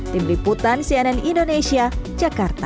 tim liputan cnn indonesia jakarta